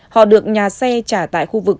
họ được nhà xe trả tại khu vực